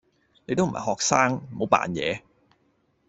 你都唔係學生，唔好扮野